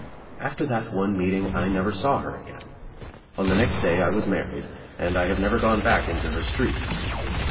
After that one meet ing I never saw her again. On the next day I was married and I have never gone back into her street.